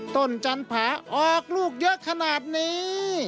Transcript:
ต้นจันทร์ผาออกลูกเยอะขนาดนี้